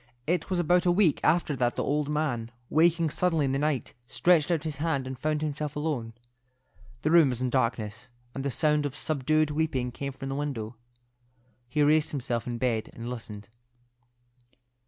It was about a week after that the old man, waking suddenly in the night, stretched out his hand and found himself alone. The room was in darkness, and the sound of subdued weeping came from the window. He raised himself in bed and listened.